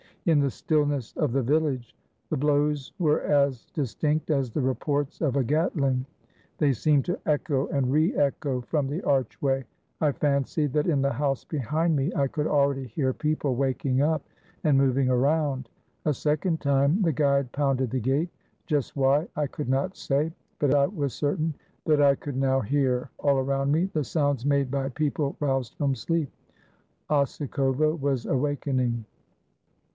In the stillness of the village, the blows were as distinct as the reports of a Catling. They seemed to echo and reecho from the archway. I fancied that in the house behind me I could already hear people waking up and moving around. A second time the guide pounded the gate. Just why, I could not say, but I was certain that I could now hear, all around me, the sounds made by people roused from sleep. Osikovo was awakening.